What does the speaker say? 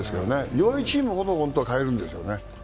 弱いチームほど本当は変えるんですよね。